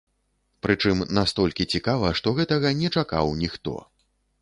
Прычым, настолькі цікава, што гэтага не чакаў ніхто.